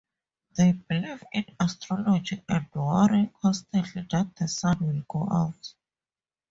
They believe in astrology and worry constantly that the sun will go out.